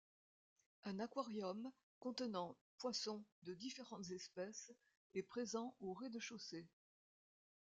Un aquarium contenant poissons de différentes espèces est présent au rez-de-chaussée.